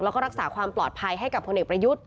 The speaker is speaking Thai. และรักษาความปลอดภัยให้กับคนเด็กประยุทธ์